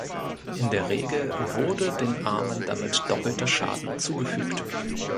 In der Regel wurde den Armen damit doppelter Schaden zugefügt.